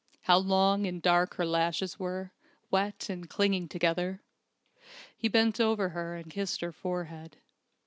How long and dark her lashes were, wet and clinging together! He bent over her, and kissed her forehead.